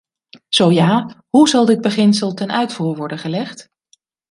Zo ja, hoe zal dit beginsel ten uitvoer worden gelegd?